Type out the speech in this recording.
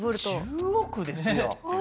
１０億ですよ。